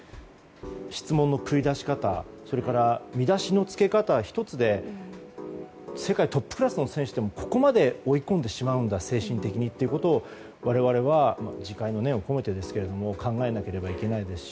質問の繰り出し方、それから見出しのつけ方１つで世界トップクラスの選手でもここまで精神的に追い込んでしまうんだということを我々は自戒の念を込めてですけど考えなければいけないですし。